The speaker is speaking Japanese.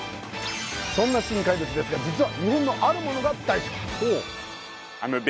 そんな新怪物ですが実は日本のあるものが大好き